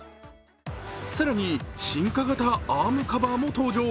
更に、進化型アームカバーも登場。